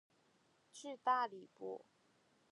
去大理不